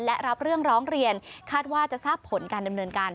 และรับเรื่องร้องเรียนคาดว่าจะทราบผลการดำเนินการ